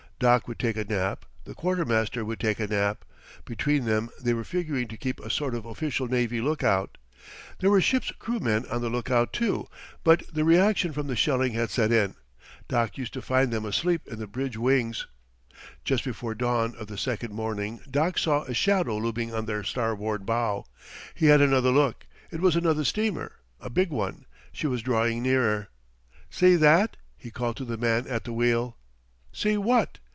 Doc would take a nap; the quartermaster would take a nap; between them they were figuring to keep a sort of official navy lookout. There were ship's crew men on the lookout too, but the reaction from the shelling had set in. Doc used to find them asleep in the bridge wings. Just before dawn of the second morning Doc saw a shadow looming on their starboard bow. He had another look. It was another steamer a big one. She was drawing nearer. "See that?" he called to the man at the wheel. "See what?"